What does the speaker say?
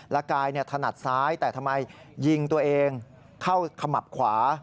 และกายถนัดซ้ายแต่ทำไมยิงตัวเองเข้าขมับขวา